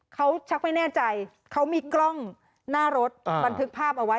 เขาชักไม่แน่ใจเขามีกล้องหน้ารถบันทึกภาพเอาไว้